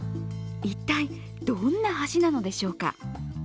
一体どんな橋なのでしょうか。